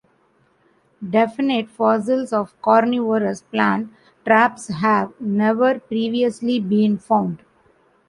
Definite fossils of carnivorous plant traps have never previously been found.